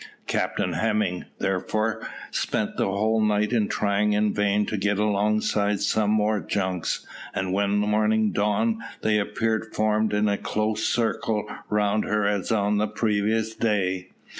Captain Hemming, therefore, spent the whole night in trying in vain to get alongside some more junks, and when morning dawned they appeared formed in a close circle round her as on the previous day.